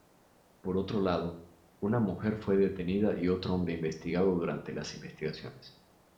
Por otro lado, una mujer fue detenida y otro hombre investigado durante las investigaciones.